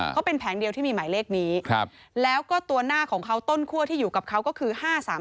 เขาเป็นแผงเดียวที่มีหมายเลขนี้แล้วก็ตัวหน้าของเขาต้นคั่วที่อยู่กับเขาก็คือ๕๓๓